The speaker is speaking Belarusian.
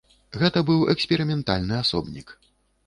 Гэта быў эксперыментальны асобнік.